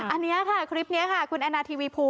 อันนี้ค่ะคลิปนี้ค่ะคุณแอนนาทีวีภู